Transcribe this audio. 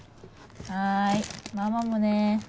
はいママもね。